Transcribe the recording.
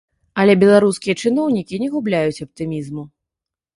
Але беларускія чыноўнікі не губляюць аптымізму.